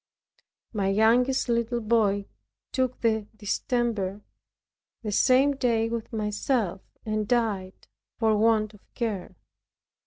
My youngest little boy took the distemper the same day with myself, and died for want of care.